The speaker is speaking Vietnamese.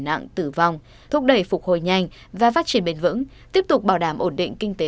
nặng tử vong thúc đẩy phục hồi nhanh và phát triển bền vững tiếp tục bảo đảm ổn định kinh tế